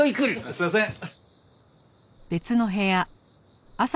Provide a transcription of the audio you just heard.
すいません。